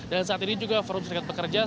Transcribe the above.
dan saat ini juga forum serikat pekerja